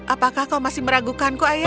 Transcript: apakah kau masih meragukanku ayah